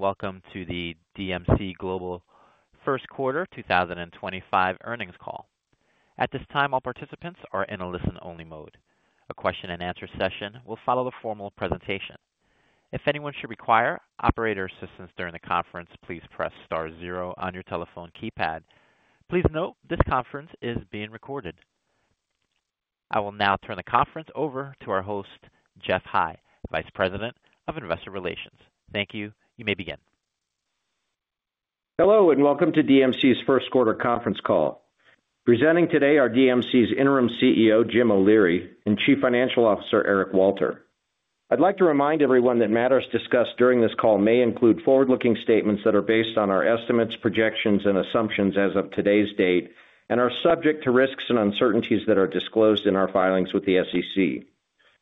Welcome to the DMC Global first quarter 2025 earnings call. At this time, all participants are in a listen-only mode. A question-and-answer session will follow the formal presentation. If anyone should require operator assistance during the conference, please press star zero on your telephone keypad. Please note this conference is being recorded. I will now turn the conference over to our host, Geoff High, Vice President of Investor Relations. Thank you. You may begin. Hello and welcome to DMC's first quarter conference call. Presenting today are DMC's Interim CEO, Jim O'Leary, and Chief Financial Officer, Eric Walter. I'd like to remind everyone that matters discussed during this call may include forward-looking statements that are based on our estimates, projections, and assumptions as of today's date and are subject to risks and uncertainties that are disclosed in our filings with the SEC.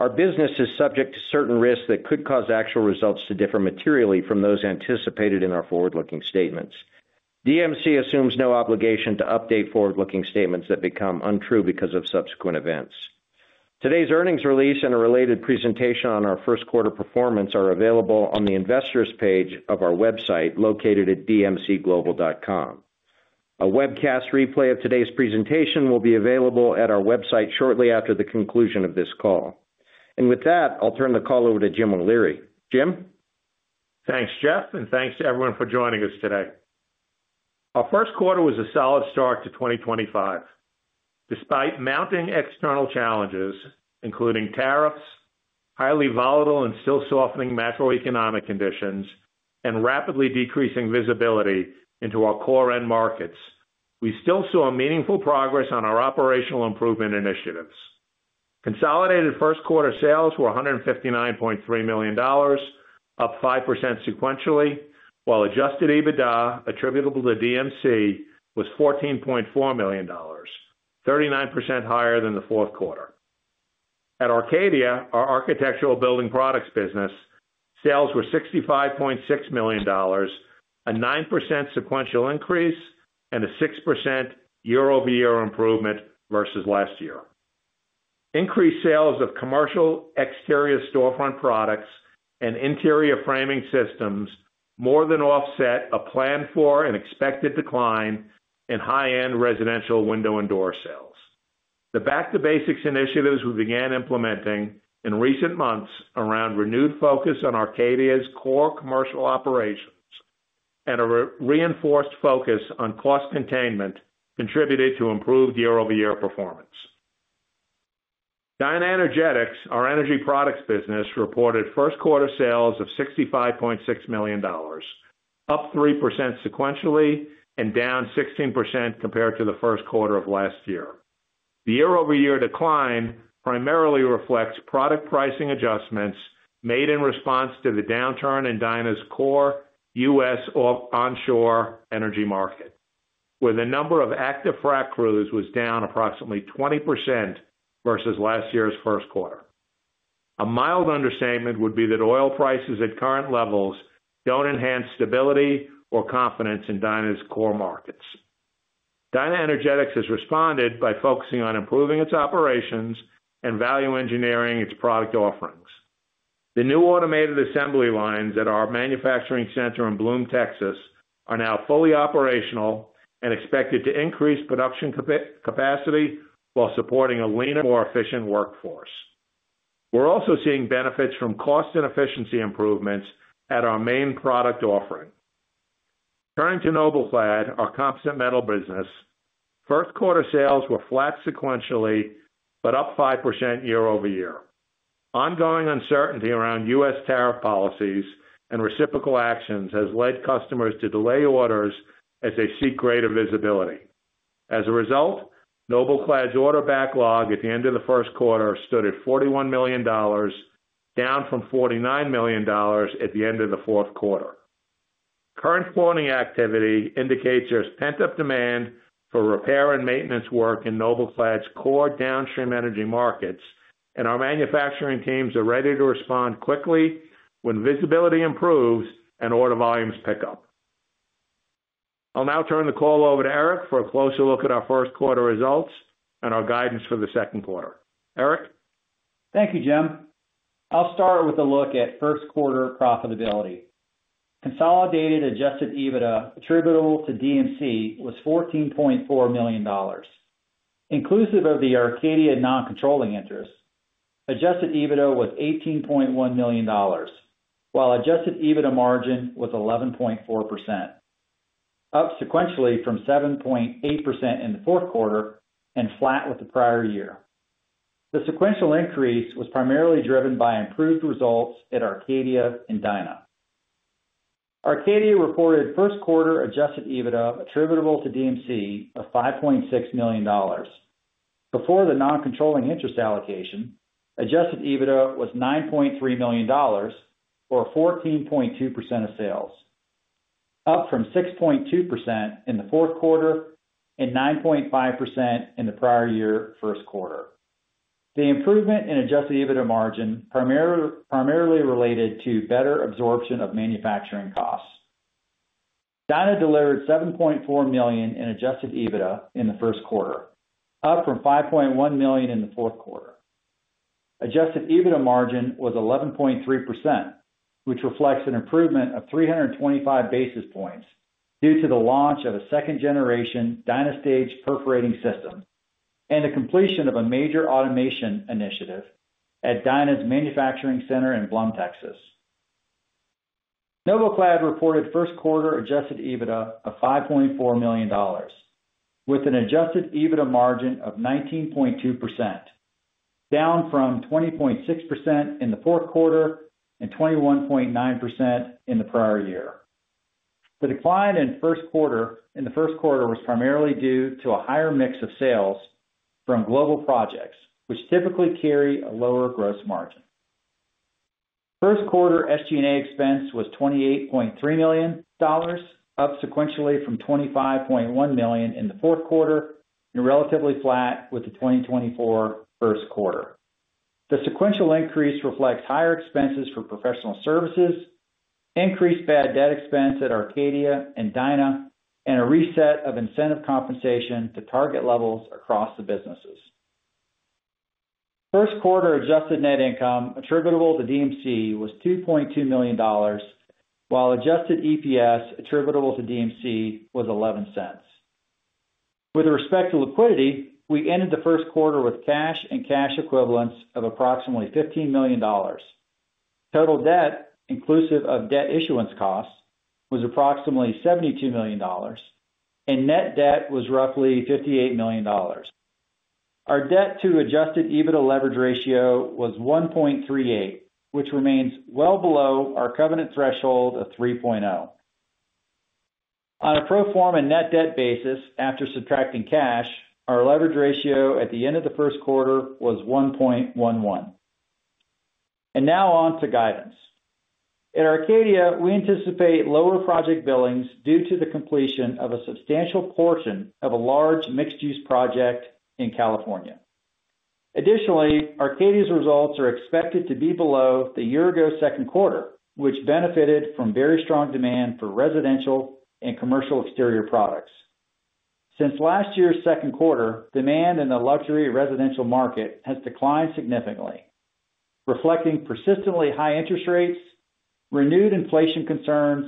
Our business is subject to certain risks that could cause actual results to differ materially from those anticipated in our forward-looking statements. DMC assumes no obligation to update forward-looking statements that become untrue because of subsequent events. Today's earnings release and a related presentation on our first quarter performance are available on the investors' page of our website located at dmcglobal.com. A webcast replay of today's presentation will be available at our website shortly after the conclusion of this call. With that, I'll turn the call over to Jim O'Leary. Jim? Thanks, Geoff, and thanks to everyone for joining us today. Our first quarter was a solid start to 2025. Despite mounting external challenges, including tariffs, highly volatile and still softening macroeconomic conditions, and rapidly decreasing visibility into our core end markets, we still saw meaningful progress on our operational improvement initiatives. Consolidated first quarter sales were $159.3 million, up 5% sequentially, while adjusted EBITDA attributable to DMC was $14.4 million, 39% higher than the fourth quarter. At Arcadia, our architectural building products business, sales were $65.6 million, a 9% sequential increase and a 6% year-over-year improvement versus last year. Increased sales of commercial exterior storefront products and interior framing systems more than offset a planned for and expected decline in high-end residential window and door sales. The back-to-basics initiatives we began implementing in recent months around renewed focus on Arcadia's core commercial operations and a reinforced focus on cost containment contributed to improved year-over-year performance. DynaEnergetics, our energy products business, reported first quarter sales of $65.6 million, up 3% sequentially and down 16% compared to the first quarter of last year. The year-over-year decline primarily reflects product pricing adjustments made in response to the downturn in Dynas' core U.S. onshore energy market, where the number of active frac crews was down approximately 20% versus last year's first quarter. A mild understatement would be that oil prices at current levels do not enhance stability or confidence in Dynas' core markets. DynaEnergetics has responded by focusing on improving its operations and value engineering its product offerings. The new automated assembly lines at our manufacturing center in Bloom, Texas, are now fully operational and expected to increase production capacity while supporting a leaner, more efficient workforce. We're also seeing benefits from cost and efficiency improvements at our main product offering. Turning to NobleClad, our composite metal business, first quarter sales were flat sequentially but up 5% year-over-year. Ongoing uncertainty around U.S. tariff policies and reciprocal actions has led customers to delay orders as they seek greater visibility. As a result, NobleClad's order backlog at the end of the first quarter stood at $41 million, down from $49 million at the end of the fourth quarter. Current quarterly activity indicates there's pent-up demand for repair and maintenance work in NobleClad's core downstream energy markets, and our manufacturing teams are ready to respond quickly when visibility improves and order volumes pick up. I'll now turn the call over to Eric for a closer look at our first quarter results and our guidance for the second quarter. Eric? Thank you, Jim. I'll start with a look at first quarter profitability. Consolidated adjusted EBITDA attributable to DMC was $14.4 million. Inclusive of the Arcadia non-controlling interest, adjusted EBITDA was $18.1 million, while adjusted EBITDA margin was 11.4%, up sequentially from 7.8% in the fourth quarter and flat with the prior year. The sequential increase was primarily driven by improved results at Arcadia and Dyna. Arcadia reported first quarter adjusted EBITDA attributable to DMC of $5.6 million. Before the non-controlling interest allocation, adjusted EBITDA was $9.3 million or 14.2% of sales, up from 6.2% in the fourth quarter and 9.5% in the prior year first quarter. The improvement in adjusted EBITDA margin primarily related to better absorption of manufacturing costs. Dyna delivered $7.4 million in adjusted EBITDA in the first quarter, up from $5.1 million in the fourth quarter. Adjusted EBITDA margin was 11.3%, which reflects an improvement of 325 basis points due to the launch of a second-generation DynaStage perforating system and the completion of a major automation initiative at Dynas' manufacturing center in Bloom, Texas. NobleClad reported first quarter adjusted EBITDA of $5.4 million, with an adjusted EBITDA margin of 19.2%, down from 20.6% in the fourth quarter and 21.9% in the prior year. The decline in the first quarter was primarily due to a higher mix of sales from global projects, which typically carry a lower gross margin. First quarter SG&A expense was $28.3 million, up sequentially from $25.1 million in the fourth quarter and relatively flat with the 2024 first quarter. The sequential increase reflects higher expenses for professional services, increased bad debt expense at Arcadia and Dyna, and a reset of incentive compensation to target levels across the businesses. First quarter adjusted net income attributable to DMC was $2.2 million, while adjusted EPS attributable to DMC was $0.11. With respect to liquidity, we ended the first quarter with cash and cash equivalents of approximately $15 million. Total debt, inclusive of debt issuance costs, was approximately $72 million, and net debt was roughly $58 million. Our debt-to-adjusted EBITDA leverage ratio was 1.38, which remains well below our covenant threshold of 3.0. On a pro forma net debt basis, after subtracting cash, our leverage ratio at the end of the first quarter was 1.11. Now on to guidance. At Arcadia, we anticipate lower project billings due to the completion of a substantial portion of a large mixed-use project in California. Additionally, Arcadia's results are expected to be below the year-ago second quarter, which benefited from very strong demand for residential and commercial exterior products. Since last year's second quarter, demand in the luxury residential market has declined significantly, reflecting persistently high interest rates, renewed inflation concerns,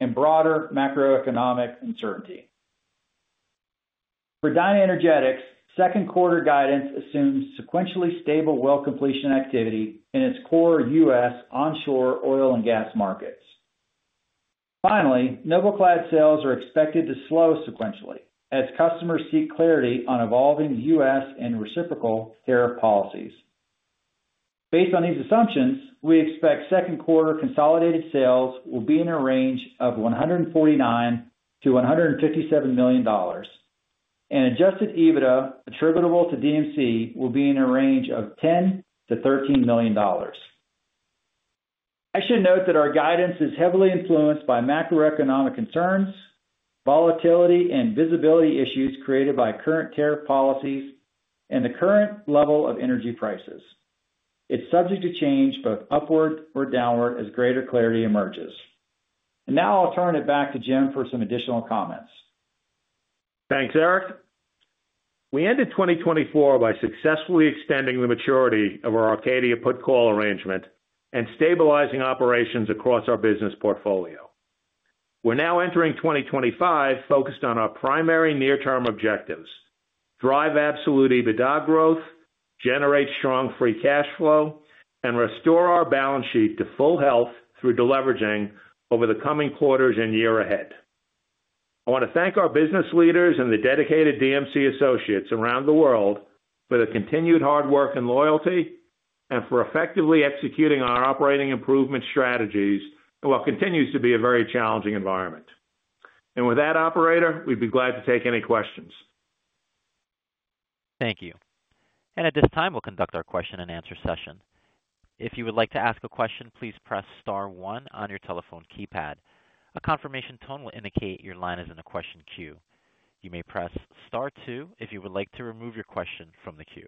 and broader macroeconomic uncertainty. For DynaEnergetics, second quarter guidance assumes sequentially stable well completion activity in its core U.S. onshore oil and gas markets. Finally, NobleClad sales are expected to slow sequentially as customers seek clarity on evolving U.S. and reciprocal tariff policies. Based on these assumptions, we expect second quarter consolidated sales will be in a range of $149 million-$157 million, and adjusted EBITDA attributable to DMC will be in a range of $10 million-$13 million. I should note that our guidance is heavily influenced by macroeconomic concerns, volatility, and visibility issues created by current tariff policies and the current level of energy prices. It is subject to change both upward or downward as greater clarity emerges. I'll turn it back to Jim for some additional comments. Thanks, Eric. We ended 2024 by successfully extending the maturity of our Arcadia put call arrangement and stabilizing operations across our business portfolio. We are now entering 2025 focused on our primary near-term objectives: drive absolute EBITDA growth, generate strong free cash flow, and restore our balance sheet to full health through deleveraging over the coming quarters and year ahead. I want to thank our business leaders and the dedicated DMC associates around the world for the continued hard work and loyalty and for effectively executing our operating improvement strategies while it continues to be a very challenging environment. With that, operator, we would be glad to take any questions. Thank you. At this time, we'll conduct our question-and-answer session. If you would like to ask a question, please press star one on your telephone keypad. A confirmation tone will indicate your line is in a question queue. You may press star two if you would like to remove your question from the queue.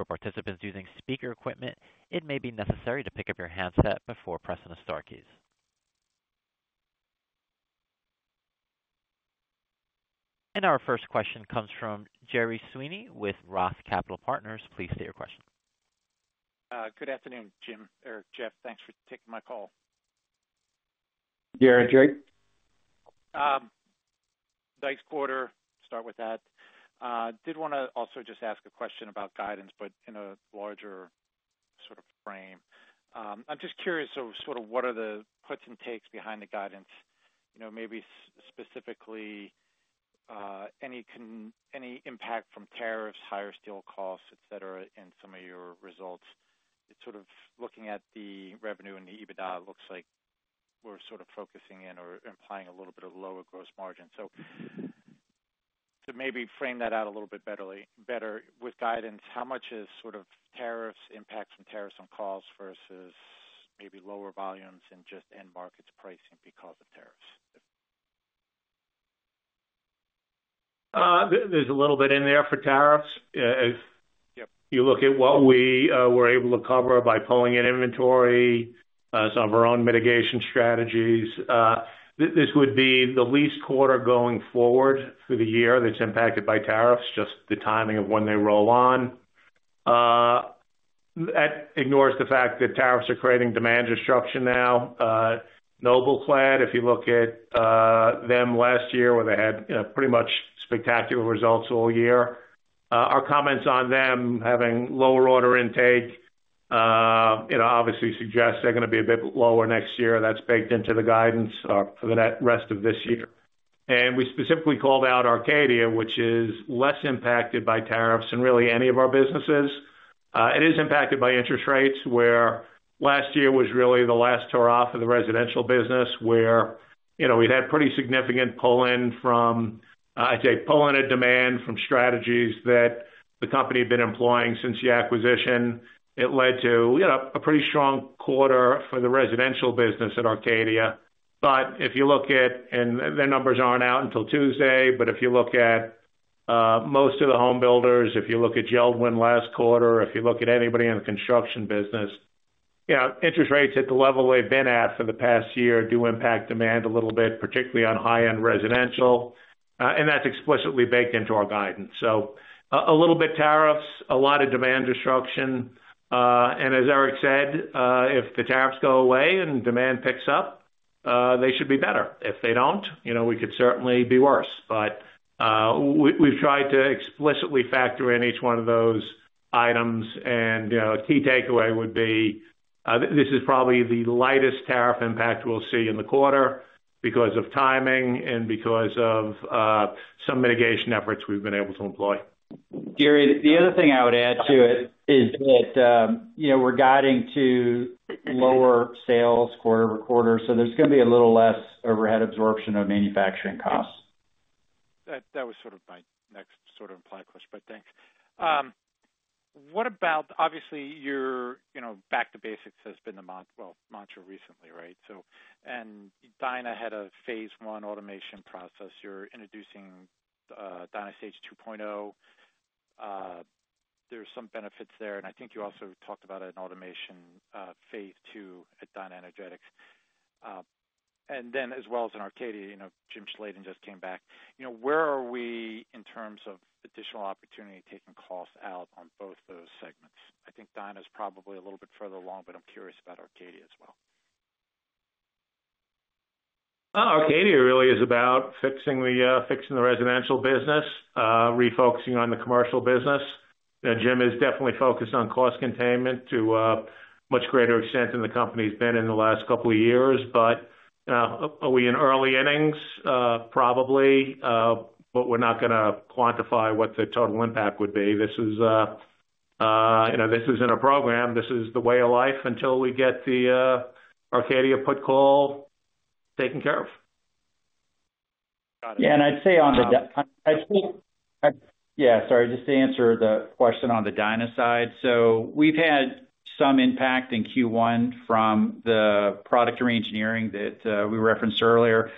For participants using speaker equipment, it may be necessary to pick up your handset before pressing the star keys. Our first question comes from Gerry Sweeney with Roth Capital Partners. Please state your question. Good afternoon, Jim or Jeff. Thanks for taking my call. Gerry, Gerry. Thanks, quarter. Start with that. Did want to also just ask a question about guidance, but in a larger sort of frame. I'm just curious, so sort of what are the puts and takes behind the guidance? Maybe specifically any impact from tariffs, higher steel costs, etc., in some of your results. It's sort of looking at the revenue and the EBITDA, it looks like we're sort of focusing in or implying a little bit of lower gross margin. To maybe frame that out a little bit better with guidance, how much is sort of tariffs impact from tariffs on calls versus maybe lower volumes and just end markets pricing because of tariffs? There's a little bit in there for tariffs. You look at what we were able to cover by pulling in inventory, some of our own mitigation strategies. This would be the least quarter going forward for the year that's impacted by tariffs, just the timing of when they roll on. That ignores the fact that tariffs are creating demand disruption now. NobleClad, if you look at them last year, where they had pretty much spectacular results all year, our comments on them having lower order intake obviously suggests they're going to be a bit lower next year. That's baked into the guidance for the rest of this year. We specifically called out Arcadia, which is less impacted by tariffs than really any of our businesses. It is impacted by interest rates, where last year was really the last tour off of the residential business, where we'd had pretty significant pull-in from, I'd say, pull-in of demand from strategies that the company had been employing since the acquisition. It led to a pretty strong quarter for the residential business at Arcadia. If you look at, and their numbers aren't out until Tuesday, if you look at most of the home builders, if you look at JELD-WEN last quarter, if you look at anybody in the construction business, interest rates at the level they've been at for the past year do impact demand a little bit, particularly on high-end residential. That's explicitly baked into our guidance. A little bit tariffs, a lot of demand disruption. As Eric said, if the tariffs go away and demand picks up, they should be better. If they don't, we could certainly be worse. We have tried to explicitly factor in each one of those items. The key takeaway would be this is probably the lightest tariff impact we'll see in the quarter because of timing and because of some mitigation efforts we've been able to employ. Gerry, the other thing I would add to it is that we're guiding to lower sales quarter over quarter. There is going to be a little less overhead absorption of manufacturing costs. That was sort of my next sort of implied question, but thanks. What about, obviously, your back to basics has been the, well, mantra recently, right? And Dyna had a phase I automation process. You're introducing DynaStage 2.0. There's some benefits there. I think you also talked about an automation phase II at DynaEnergetics. As well as in Arcadia, Jim Schladen just came back. Where are we in terms of additional opportunity taking costs out on both those segments? I think Dyna is probably a little bit further along, but I'm curious about Arcadia as well. Arcadia really is about fixing the residential business, refocusing on the commercial business. Jim is definitely focused on cost containment to a much greater extent than the company's been in the last couple of years. Are we in early innings? Probably. We're not going to quantify what the total impact would be. This is not a program. This is the way of life until we get the Arcadia put call taken care of. Yeah. I'd say on the. Yeah. Sorry. Just to answer the question on the Dyna side. We've had some impact in Q1 from the product re-engineering that we referenced earlier.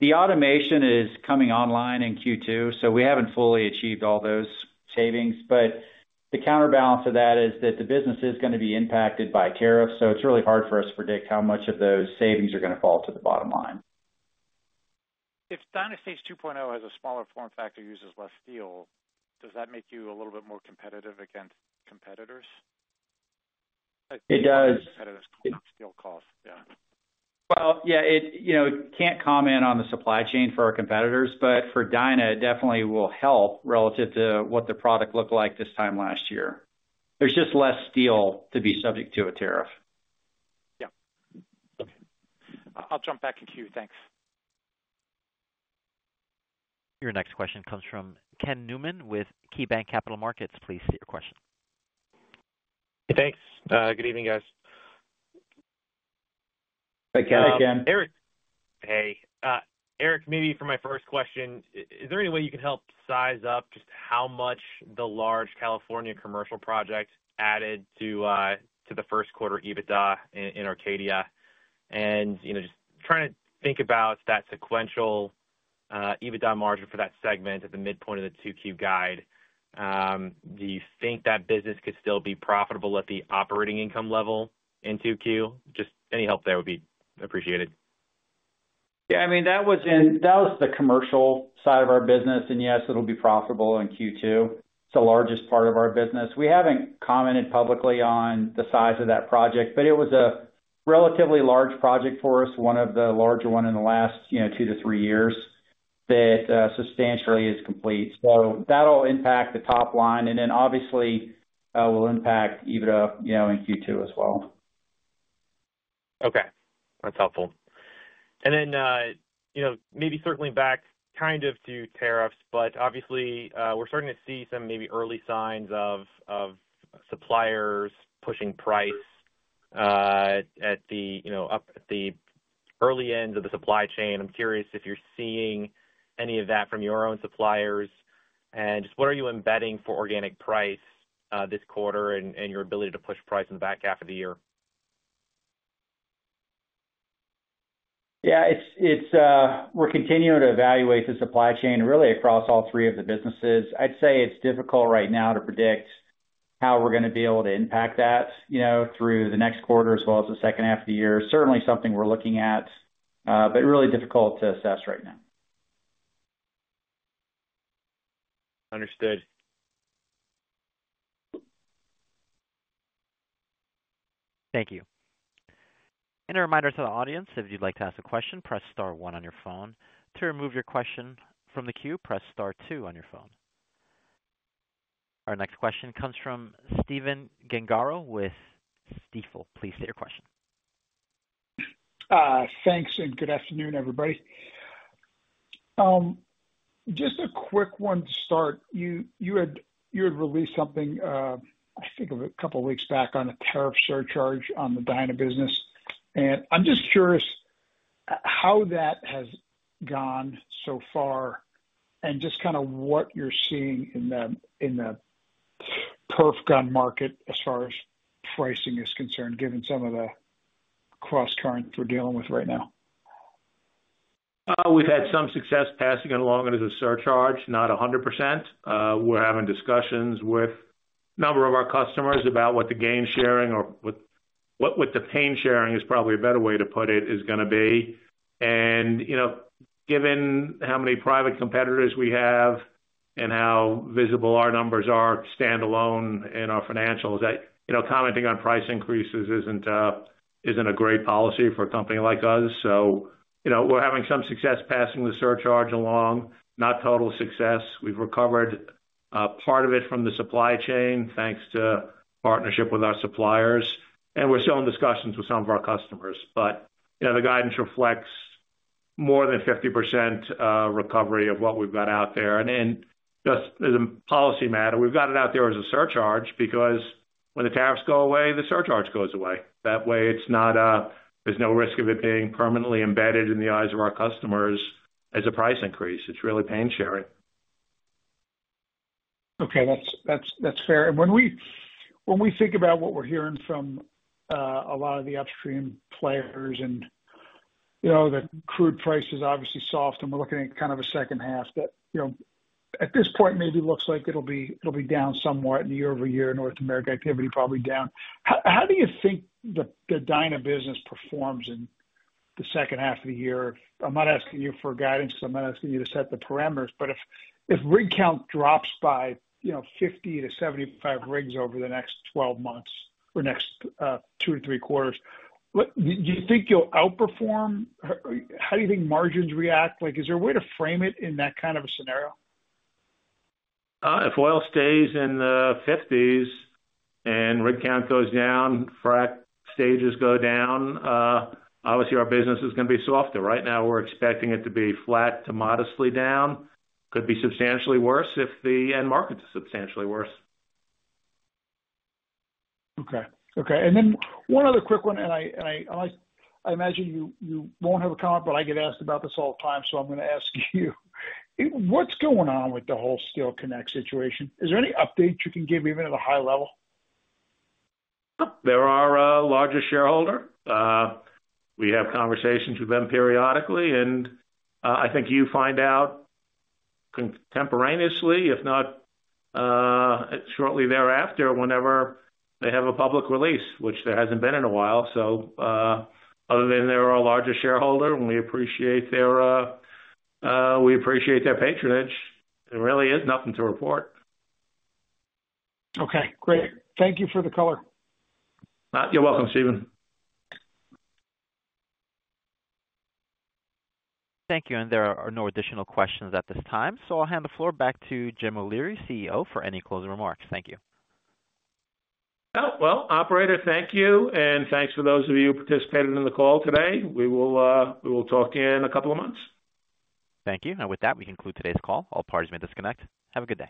The automation is coming online in Q2. We haven't fully achieved all those savings. The counterbalance of that is that the business is going to be impacted by tariffs. It's really hard for us to predict how much of those savings are going to fall to the bottom line. If DynaStage 2.0 has a smaller form factor, uses less steel, does that make you a little bit more competitive against competitors? It does. Competitors on steel costs. Yeah. Yeah, I can't comment on the supply chain for our competitors, but for Dyna it definitely will help relative to what the product looked like this time last year. There's just less steel to be subject to a tariff. Yeah. Okay. I'll jump back in queue. Thanks. Your next question comes from Ken Newman with KeyBanc Capital Markets. Please state your question. Hey, thanks. Good evening, guys. Hey, Ken. Hey, Ken. Hey. Eric, maybe for my first question, is there any way you can help size up just how much the large California commercial project added to the first quarter EBITDA in Arcadia? I am just trying to think about that sequential EBITDA margin for that segment at the midpoint of the two-Q guide. Do you think that business could still be profitable at the operating income level in two-Q? Just any help there would be appreciated. Yeah. I mean, that was the commercial side of our business. And yes, it'll be profitable in Q2. It's the largest part of our business. We haven't commented publicly on the size of that project, but it was a relatively large project for us, one of the larger ones in the last two to three years that substantially is complete. That'll impact the top line. Obviously, will impact EBITDA in Q2 as well. Okay. That's helpful. Maybe circling back kind of to tariffs, obviously, we're starting to see some maybe early signs of suppliers pushing price up at the early end of the supply chain. I'm curious if you're seeing any of that from your own suppliers. Just what are you embedding for organic price this quarter and your ability to push price in the back half of the year? Yeah. We're continuing to evaluate the supply chain really across all three of the businesses. I'd say it's difficult right now to predict how we're going to be able to impact that through the next quarter as well as the second half of the year. Certainly something we're looking at, but really difficult to assess right now. Understood. Thank you. A reminder to the audience, if you'd like to ask a question, press star one on your phone. To remove your question from the queue, press star two on your phone. Our next question comes from Stephen Gengaro with Stifel. Please state your question. Thanks and good afternoon, everybody. Just a quick one to start. You had released something, I think, a couple of weeks back on a tariff surcharge on the Dyna business. And I'm just curious how that has gone so far and just kind of what you're seeing in the perf gun market as far as pricing is concerned, given some of the cross currents we're dealing with right now. We've had some success passing it along as a surcharge, not 100%. We're having discussions with a number of our customers about what the gain sharing or what the pain sharing is probably a better way to put it is going to be. Given how many private competitors we have and how visible our numbers are standalone in our financials, commenting on price increases isn't a great policy for a company like us. We're having some success passing the surcharge along, not total success. We've recovered part of it from the supply chain thanks to partnership with our suppliers. We're still in discussions with some of our customers. The guidance reflects more than 50% recovery of what we've got out there. As a policy matter, we've got it out there as a surcharge because when the tariffs go away, the surcharge goes away. That way, there's no risk of it being permanently embedded in the eyes of our customers as a price increase. It's really pain sharing. Okay. That's fair. When we think about what we're hearing from a lot of the upstream players and the crude price is obviously soft and we're looking at kind of a second half that at this point maybe looks like it'll be down somewhat year-over-year, North American activity probably down. How do you think the Dyna business performs in the second half of the year? I'm not asking you for guidance because I'm not asking you to set the parameters, but if rig count drops by 50-75 rigs over the next 12 months or next two to three quarters, do you think you'll outperform? How do you think margins react? Is there a way to frame it in that kind of a scenario? If oil stays in the 50s and rig count goes down, frac stages go down, obviously our business is going to be softer. Right now, we're expecting it to be flat to modestly down. Could be substantially worse if the end markets are substantially worse. Okay. Okay. One other quick one, and I imagine you won't have a comment, but I get asked about this all the time, so I'm going to ask you. What's going on with the whole Steel Connect situation? Is there any update you can give even at a high level? There are larger shareholders. We have conversations with them periodically. I think you find out contemporaneously, if not shortly thereafter, whenever they have a public release, which there has not been in a while. Other than they are our larger shareholder, and we appreciate their patronage, there really is nothing to report. Okay. Great. Thank you for the color. You're welcome, Stephen. Thank you. There are no additional questions at this time. I'll hand the floor back to Jim O'Leary, CEO, for any closing remarks. Thank you. Operator, thank you. And thanks for those of you who participated in the call today. We will talk in a couple of months. Thank you. With that, we conclude today's call. All parties may disconnect. Have a good day.